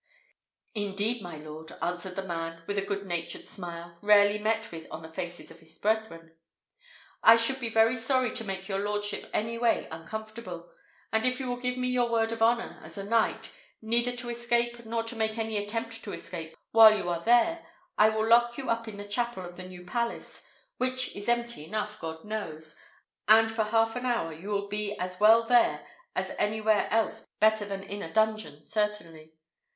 "Indeed, my lord," answered the man, with a good humoured smile, rarely met with on the faces of his brethren, "I should be very sorry to make your lordship any way uncomfortable; and, if you will give me your word of honour, as a knight, neither to escape nor to make any attempt to escape while you are there, I will lock you up in the chapel of the new palace, which is empty enough, God knows, and for half an hour you will be as well there as anywhere else better than in a dungeon certainly."